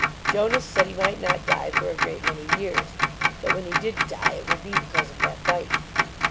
Jonas said he might not die for a great many years, but when he did die it would be because of that bite.